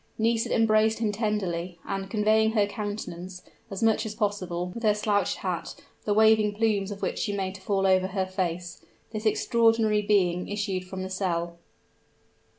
Nisida embraced him tenderly; and covering her countenance, as much as possible, with her slouched hat, the waving plumes of which she made to fall over her face, this extraordinary being issued from the cell.